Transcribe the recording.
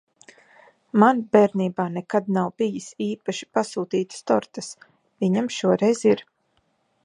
Man bērnībā nekad nav bijis īpaši pasūtītas tortes, viņam šoreiz ir.